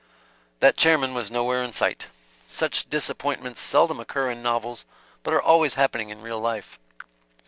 That Chairman was nowhere in sight. Such disappointments seldom occur in novels, but are always happening in real life.